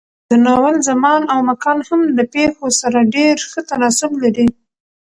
د ناول زمان او مکان هم د پېښو سره ډېر ښه تناسب لري.